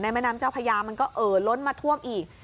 แม่น้ำเจ้าพญามันก็เอ่อล้นมาท่วมอีก